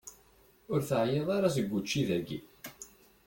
Ur teεyiḍ ara seg učči dayi?